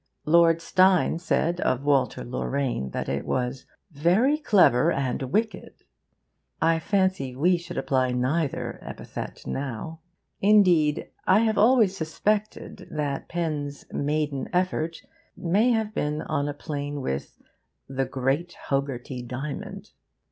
Lord Steyne said of WALTER LORRAINE that it was 'very clever and wicked.' I fancy we should apply neither epithet now. Indeed, I have always suspected that Pen's maiden effort may have been on a plane with 'The Great Hoggarty Diamond.